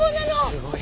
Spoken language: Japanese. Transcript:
すごい。